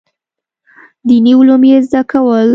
دیني علوم یې زده کول.